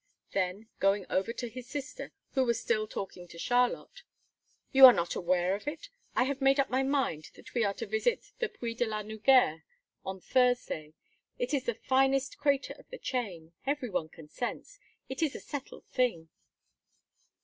Then, going over to his sister, who was still talking to Charlotte: "You are not aware of it? I have made up my mind that we are to visit the Puy de la Nugère on Thursday. It is the finest crater of the chain. Everyone consents. It is a settled thing."